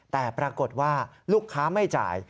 แต่ปรากฏว่าลูกค้าไม่จ่าย